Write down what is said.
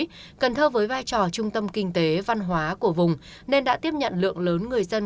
tuy nhiên cần thơ với vai trò trung tâm kinh tế văn hóa của vùng nên đã tiếp nhận lượng lớn người dân